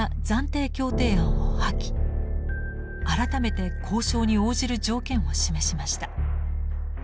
改めて交渉に応じる条件を示しました。